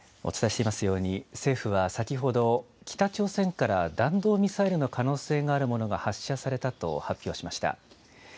お伝えしていますように、政府は先ほど、北朝鮮から弾道ミサイルの可能性のあるものが発射されたと発表しました。